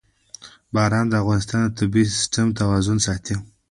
باران د افغانستان د طبعي سیسټم توازن ساتي.